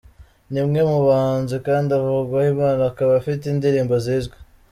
Ni umwe mu bahanzi kandi uvugwaho impano akaba afite indirimbo zizwi.